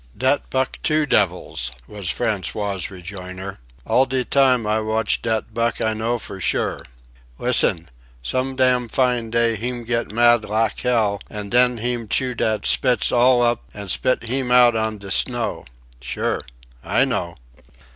"Dat Buck two devils," was François's rejoinder. "All de tam I watch dat Buck I know for sure. Lissen: some dam fine day heem get mad lak hell an' den heem chew dat Spitz all up an' spit heem out on de snow. Sure. I know."